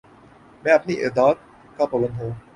میں اپنی عادات کا پابند ہوں